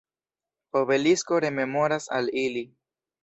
Obelisko rememoras al ili.